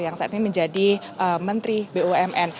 yang saat ini menjadi menteri bumn